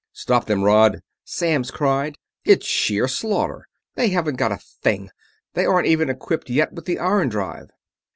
"Stop them, Rod!" Samms cried. "It's sheer slaughter! They haven't got a thing they aren't even equipped yet with the iron drive!"